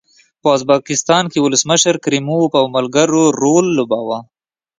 په ازبکستان کې ولسمشر کریموف او ملګرو رول لوباوه.